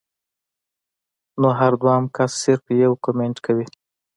نو هر دويم کس صرف يو کمنټ کوي